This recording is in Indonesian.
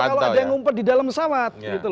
kalau ada yang ngumpet di dalam pesawat